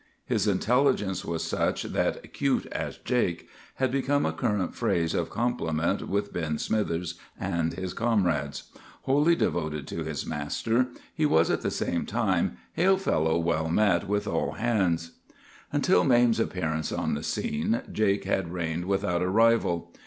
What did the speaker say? His intelligence was such that 'cute as Jake' had become a current phrase of compliment with Ben Smithers and his comrades. Wholly devoted to his master, he was at the same time hail fellow well met with all hands. "Until Mame's appearance on the scene, Jake had reigned without a rival.